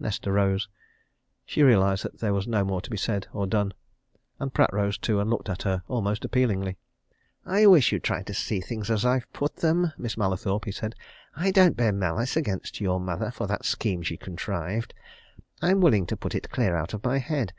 Nesta rose. She realized that there was no more to be said or done. And Pratt rose, too, and looked at her almost appealingly. "I wish you'd try to see things as I've put them, Miss Mallathorpe," he said. "I don't bear malice against your mother for that scheme she contrived I'm willing to put it clear out of my head.